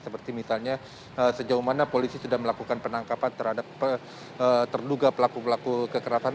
seperti misalnya sejauh mana polisi sudah melakukan penangkapan terhadap terduga pelaku pelaku kekerasan